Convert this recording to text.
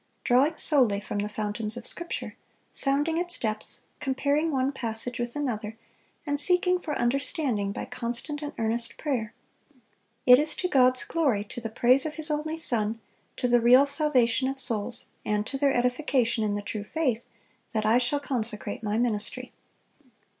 drawing solely from the fountains of Scripture, sounding its depths, comparing one passage with another, and seeking for understanding by constant and earnest prayer. It is to God's glory, to the praise of His only Son, to the real salvation of souls, and to their edification in the true faith, that I shall consecrate my ministry."